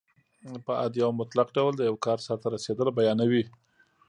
په عادي او مطلق ډول د یو کار سرته رسېدل بیانیوي.